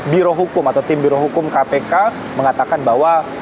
birohukum atau tim birohukum kpk mengatakan bahwa